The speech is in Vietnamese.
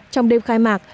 trong đêm khai mạc